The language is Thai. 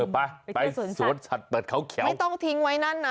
ไปไปสวดฉัดเปิดเขาเขียวไม่ต้องทิ้งไว้นั่นนะ